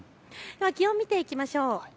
気温、見ていきましょう。